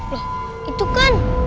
lah itu kan